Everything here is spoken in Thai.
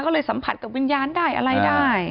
ก็เลยสัมผัสกับวิญญาณได้อะไรได้